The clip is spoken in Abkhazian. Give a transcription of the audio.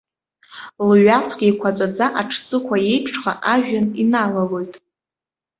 Лҩаҵәк еиқәаҵәаӡа, аҽҵыхәа еиԥшха, ажәҩан иналалоит.